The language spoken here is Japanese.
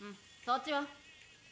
そっちは？